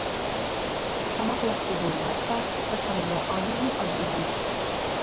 تاماق ۋاقتى بولمىغاچقا ئاشخانىدا ئادەممۇ ئاز ئىدى.